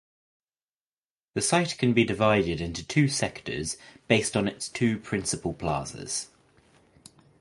The site can be divided into two sectors based on its two principal plazas.